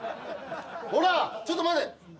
ほらちょっと待て！